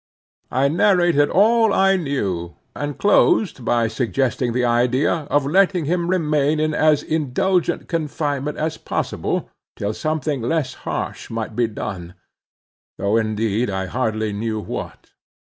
I narrated all I knew, and closed by suggesting the idea of letting him remain in as indulgent confinement as possible till something less harsh might be done—though indeed I hardly knew what.